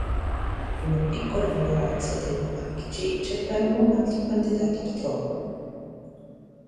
Una piccola minoranza dei monarchici cercarono un altro candidato al trono.